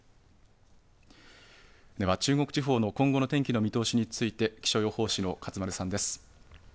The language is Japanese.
中国地方の今後の天気の見通しについて気象予報士の勝丸さんです。